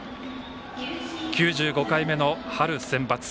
９５回目の春センバツ。